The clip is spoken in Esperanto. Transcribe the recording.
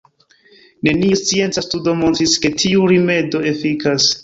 Neniu scienca studo montris ke tiu rimedo efikas.